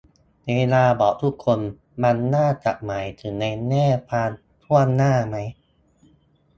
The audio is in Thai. เวลาบอก "ทุกคน" มันน่าจะหมายถึงในแง่ความถ้วนหน้าไหม